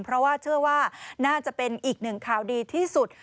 เพราะว่าเชื่อว่าน่าจะเป็นอีกหนึ่งข่าวดีที่สุด